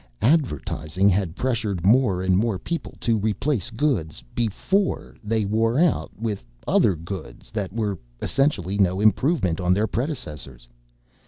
Advertising had pressured more and more people to replace goods before they wore out with other goods that were, essentially, no improvement on their predecessors!